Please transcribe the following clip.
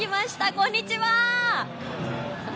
こんにちは！